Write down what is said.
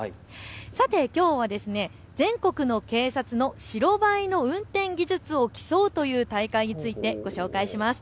さて、きょうは全国の警察の白バイの運転技術を競うという大会についてご紹介します。